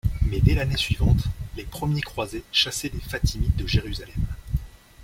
Mais dès l'année suivante, les premiers croisés chassaient les Fatimides de Jérusalem.